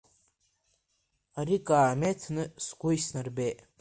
Ари каамеҭны сгәы иснарбеит.